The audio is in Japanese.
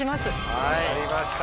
はい分かりました。